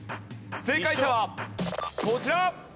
正解者はこちら！